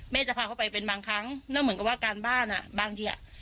จะพาเขาไปเป็นบางครั้งแล้วเหมือนกับว่าการบ้านอ่ะบางทีอ่ะ